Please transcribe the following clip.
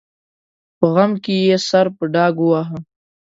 په غم کې یې سر په ډاګ وواهه.